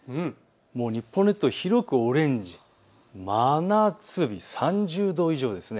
日本列島を広くオレンジで覆う、真夏日、３０度以上。